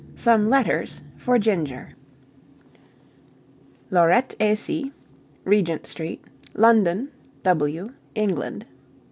SOME LETTERS FOR GINGER Laurette et Cie, Regent Street, London, W., England.